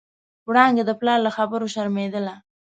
وړانګې د پلار له خبرو شرمېدله.